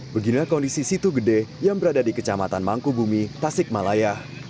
beginilah kondisi situ gede yang berada di kecamatan mangku bumi tasik malaya